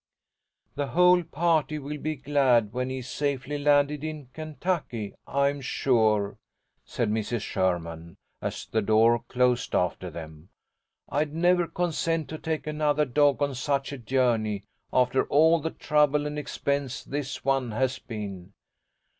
"The whole party will be glad when he is safely landed in Kentucky, I am sure," said Mrs. Sherman, as the door closed after them. "I'd never consent to take another dog on such a journey, after all the trouble and expense this one has been.